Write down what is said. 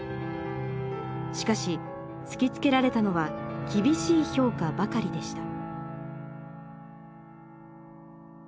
しかし突きつけられたのは厳しい評価ばかりでした。